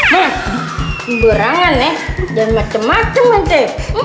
nah berangan ya dan macem macem ente